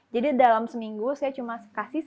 jadi dalam seminggu saya cuma kasih satu kali